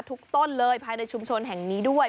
ต้นเลยภายในชุมชนแห่งนี้ด้วย